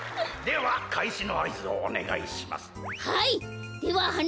ではかいしのあいずをおねがいします。